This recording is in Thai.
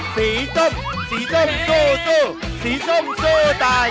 สีส้มสีส้มสู้สีส้มสู้ตาย